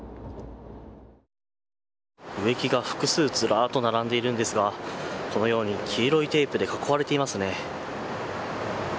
植木が複数ずらっと並んでいるんですがこのように黄色いテープで囲われていますね。